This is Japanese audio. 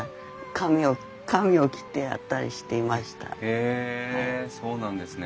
へえそうなんですね。